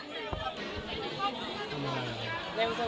ติดต่อด้วยค่ะ